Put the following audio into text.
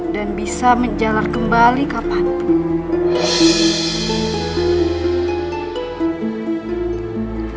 dan bisa menjalan kembali kapanpun